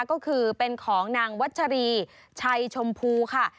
ก็คือเป็นของนางวัชรีชัยชมพูค่ะ